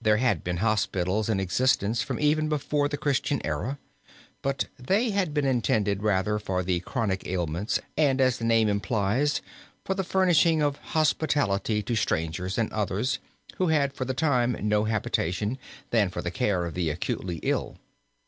There had been hospitals in existence from even before the Christian era, but they had been intended rather for the chronic ailments and as the name implies, for the furnishing of hospitality to strangers and others who had for the time no habitation, than for the care of the acutely ill.